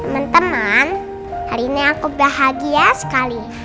teman teman hari ini aku bahagia sekali